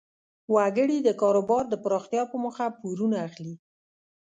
وګړي د کاروبار د پراختیا په موخه پورونه اخلي.